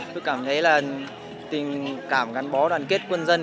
tôi cảm thấy là tình cảm gắn bó đoàn kết quân dân